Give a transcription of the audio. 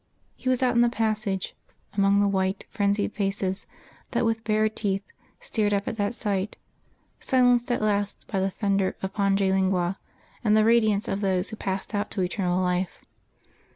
He was out in the passage, among the white, frenzied faces that with bared teeth stared up at that sight, silenced at last by the thunder of Pange Lingua, and the radiance of those who passed out to eternal life....